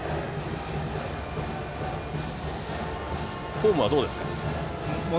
フォームはどうですか？